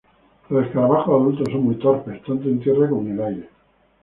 Los escarabajos adultos son muy torpes, tanto en tierra como en el aire.